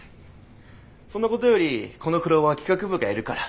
そんなことよりこのフロアは企画部がやるから。